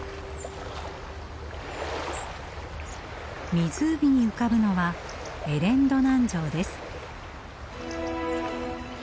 湖に浮かぶのはエレン・ドナン城です。